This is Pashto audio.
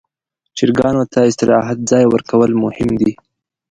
چرګانو ته د استراحت ځای ورکول مهم دي.